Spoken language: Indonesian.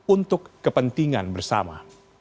untuk kepentingan bersama